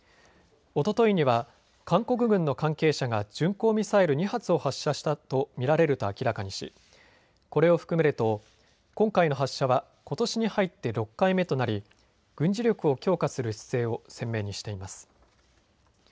おとといには韓国軍の関係者が巡航ミサイル２発を発射したと見られると明らかにし、これを含めると今回の発射はことしに入って６回目となり軍事力を強化する姿勢を鮮明にしています。